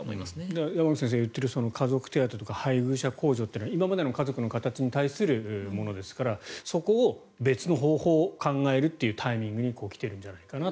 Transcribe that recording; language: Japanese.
山口先生が言っている配偶者控除とか家族手当というのは今までの家族の形に対するものですからそこを別の方法を考えるというタイミングに来ているんじゃないかと。